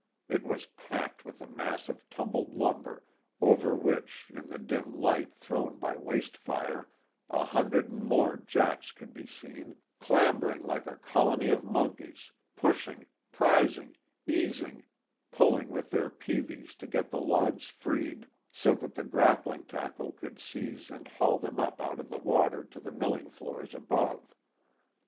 It was packed with a mass of tumbled lumber, over which, in the dim light thrown by waste fire, a hundred and more "jacks" could be seen, clambering like a colony of monkeys, pushing, prizing, easing, pulling with their peaveys to get the logs freed, so that the grappling tackle could seize and haul them up out of the water to the milling floors above.